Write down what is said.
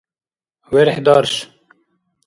верхӀдарш